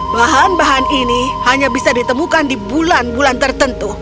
bahan bahan ini hanya bisa ditemukan di bulan bulan tertentu